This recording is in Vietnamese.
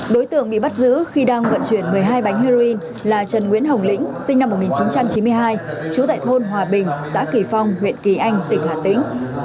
đối tượng bị bắt giữ khi đang vận chuyển một mươi hai bánh heroin là trần nguyễn hồng lĩnh sinh năm một nghìn chín trăm chín mươi hai trú tại thôn hòa bình xã kỳ phong huyện kỳ anh tỉnh hà tĩnh